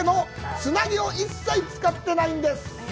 つなぎを一切使っていないんです。